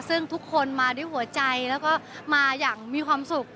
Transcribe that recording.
ซึ่งทุกคนมาด้วยหัวใจแล้วก็มาอย่างมีความสุข